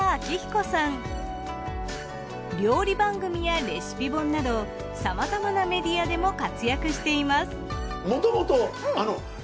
料理番組やレシピ本などさまざまなメディアでも活躍しています。